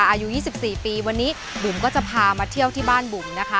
อายุ๒๔ปีวันนี้บุ๋มก็จะพามาเที่ยวที่บ้านบุ๋มนะคะ